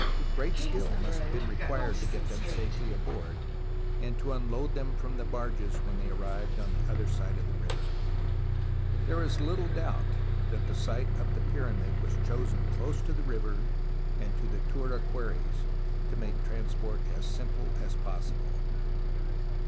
Great skill must have been required to get them safely aboard, and to unload them from the barges when they arrived on the other side of the river. There is little doubt that the site of the Pyramid was chosen close to the river and to the Turah quarries to make transport as simple as possible.